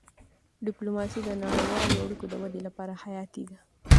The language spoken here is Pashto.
ډيپلوماسي د نړیوالو اړیکو د ودې لپاره حیاتي ده.